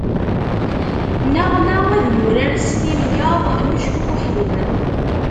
Neɣ ma ad yurar s tingaḍ n ucekkuḥ-im.